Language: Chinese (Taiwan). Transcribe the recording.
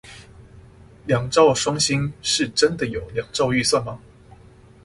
兩兆雙星是真的有兩兆預算嗎